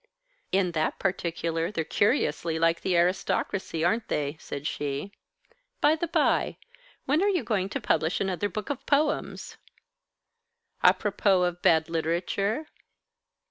"In that particular they're curiously like the aristocracy, aren't they?" said she. "By the bye, when are you going to publish another book of poems?" "Apropos of bad literature?"